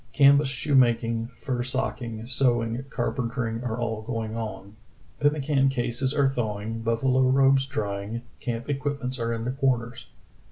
Canvas shoemaking, fur socking, sewing, carpentering are all going on. Pem mican cases are thawing, buffalo robes drying, camp equipments are in the corners."